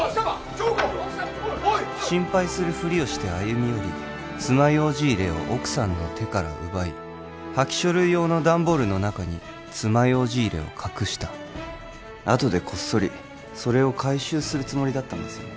京子！心配するふりをして歩み寄り爪楊枝入れを奥さんの手から奪い破棄書類用の段ボールの中に爪楊枝入れを隠したあとでこっそりそれを回収するつもりだったんですよね